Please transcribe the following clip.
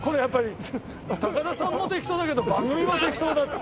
高田さんも適当だけど番組も適当だ。